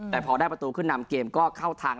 แต่พอได้ประตูขึ้นนำเกมก็เข้าทาง